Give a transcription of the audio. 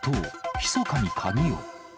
ひそかに鍵を。